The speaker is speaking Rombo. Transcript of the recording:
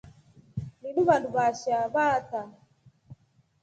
Linu vanduu vashaa vaataa.